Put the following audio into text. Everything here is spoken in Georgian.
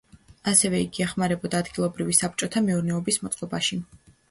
ასევე იგი ეხმარებოდა ადგილობრივი საბჭოთა მეურნეობის მოწყობაში.